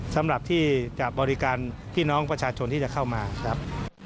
สำหรับที่จะบริการพี่น้องประชาชนที่จะเข้ามาครับ